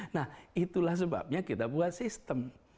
nah itulah sebabnya kita buat sistem